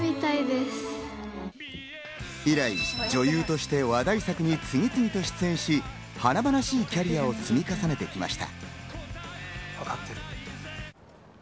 以来、女優として話題作に次々と出演し華々しいキャリアを積み重ねてきました。